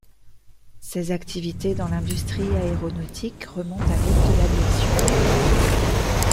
Ses activités dans l'industrie aéronautique remontent à l'aube de l'aviation.